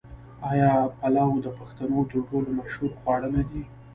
آیا پلو د پښتنو تر ټولو مشهور خواړه نه دي؟